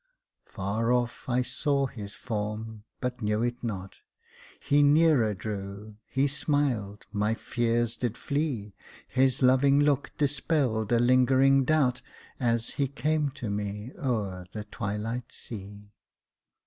Far off I saw His form, but knew it not; He nearer drew, He smiled, my fears did flee; His loving look dispelled a lingering doubt, As He came to me o'er the twilight sea.